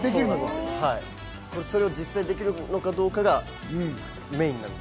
それが実際できるのかどうかがメインなので。